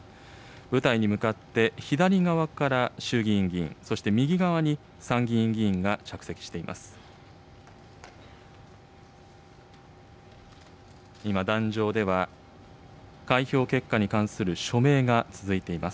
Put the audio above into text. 舞台に向かって左側から衆議院議員、そして右側に参議院議員が着席しています。